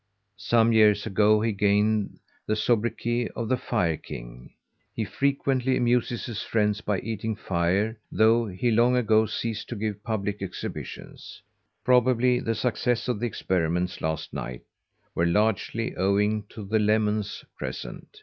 Some years ago he gained the soubriquet of the "Fire King!" He frequently amuses his friends by eating fire, though he long ago ceased to give public exhibitions. Probably the success of the experiments last night were largely owing to the lemons present.